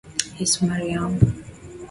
Yesu Mariamu.